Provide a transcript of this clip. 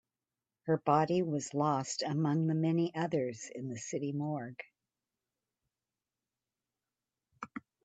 Her body was lost among the many others in the city morgue.